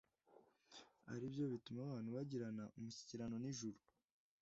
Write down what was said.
ari byo bituma abantu bagirana umushyikirano n'ijuru.